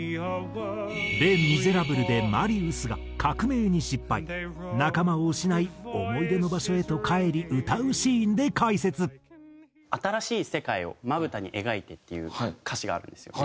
『レ・ミゼラブル』でマリウスが革命に失敗仲間を失い思い出の場所へと帰り歌うシーンで解説。っていう歌詞があるんですよね。